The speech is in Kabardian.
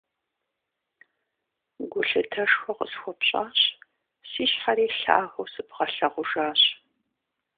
Гулъытэшхуэ къысхуэпщӀащ, си щхьэри лъагэу сыбгъэлъэгъужащ.